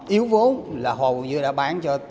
yếu vốn là họ vừa vừa đã bán cho